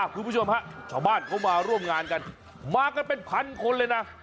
คุณผู้ชมฮะชาวบ้านเขามาร่วมงานกันมากันเป็นพันคนเลยนะ